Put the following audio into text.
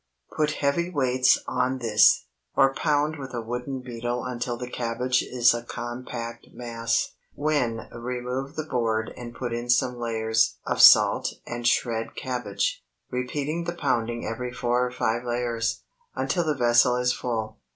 Put heavy weights on this, or pound with a wooden beetle until the cabbage is a compact mass, when remove the board and put in more layers of salt and shred cabbage, repeating the pounding every four or five layers, until the vessel is full.